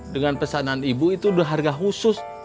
dengan pesanan ibu itu sudah harga khusus